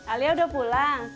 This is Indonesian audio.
alia udah pulang